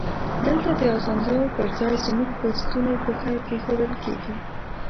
دلته د اسانتیاوو پر ځای زمونږ په ستونی پښه کېښودل کیږی.